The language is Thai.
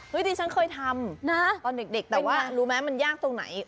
ดิฉันเคยทำนะตอนเด็กแต่ว่ารู้ไหมมันยากตรงไหน